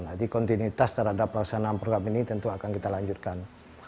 jadi kontinuitas terhadap perusahaan program ini tentu akan kita lanjutkan